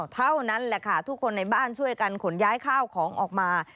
เท่านั้นแหละค่ะทุกคนในบ้านช่วยกันขนย้ายข้าวของออกมา